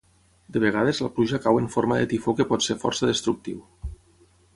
De vegades la pluja cau en forma de tifó que pot ser força destructiu.